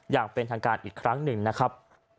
อย่างเป็นทางการอีกครั้งหนึ่งนะครับ